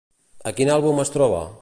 A quin àlbum es troba?